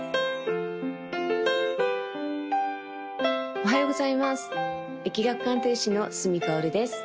おはようございます易学鑑定士の角かおるです